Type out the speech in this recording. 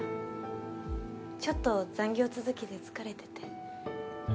ちょっと残業続きで疲れてて。